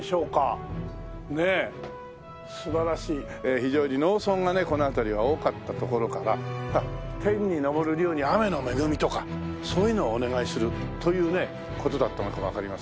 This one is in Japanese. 非常に農村がねこの辺りは多かったところから天に昇る龍に雨の恵みとかそういうのをお願いするという事だったのかもわかりませんね。